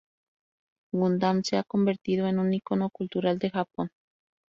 Gundam se ha convertido en un icono cultural de Japón.